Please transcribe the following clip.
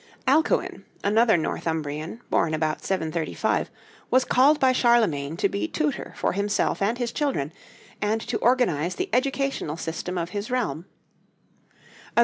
Alcuin, another Northumbrian, born about 735, was called by Charlemagne to be tutor for himself and his children, and to organize the educational system of his realm.